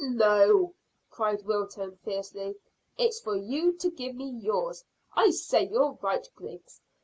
"No," cried Wilton fiercely. "It's for you to give me yours. I say you're right, Griggs.